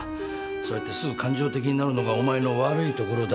そうやってすぐ感情的になるのがお前の悪いところだ。